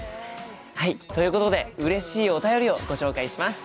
はいということでうれしいお便りをご紹介します。